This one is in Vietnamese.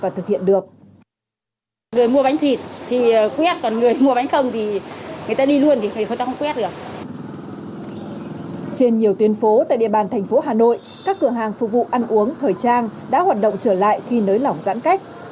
trên nhiều tuyến phố tại địa bàn thành phố hà nội các cửa hàng phục vụ ăn uống thời trang đã hoạt động trở lại khi nới lỏng giãn cách